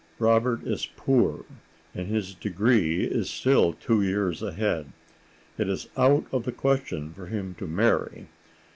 Robert is poor and his degree is still two years ahead; it is out of the question for him to marry.